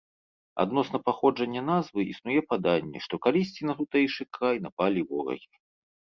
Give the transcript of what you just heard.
Адносна паходжання назвы існуе паданне, што калісьці на тутэйшы край напалі ворагі.